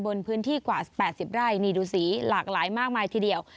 บนพื้นที่กว่า๘๐ไร่นี่ดูสีหลากหลายมากมายทีเดียว